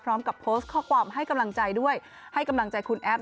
พร้อมกับโพสต์ข้อความให้กำลังใจด้วยให้กำลังใจคุณแอฟ